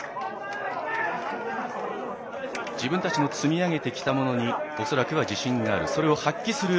自分たちの積み上げてきたものにおそらくは自信がある。